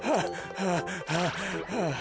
はあはあはあ。